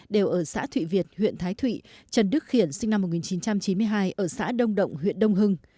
đều ở xã thụy việt huyện thái thụy trần đức khiển sinh năm một nghìn chín trăm chín mươi hai ở xã đông động huyện đông hưng